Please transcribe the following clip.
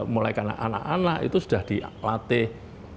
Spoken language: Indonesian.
mulai karena anak anak itu sudah dilatih